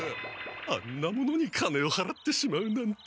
あんなものに金をはらってしまうなんて。